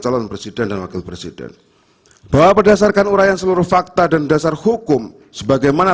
calon presiden dan wakil presiden bahwa berdasarkan urayan seluruh fakta dan dasar hukum sebagaimana